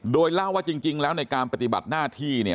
โดยเล่าว่าจริงแล้วในการปฏิบัติหน้าที่เนี่ย